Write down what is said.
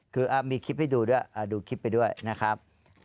คือมีคลิปให้ดูด้วยดูคลิปไปด้วยนะครับ